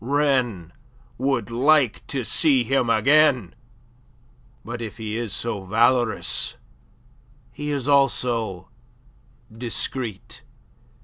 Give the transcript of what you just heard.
Rennes would like to see him again. But if he is valorous, he is also discreet.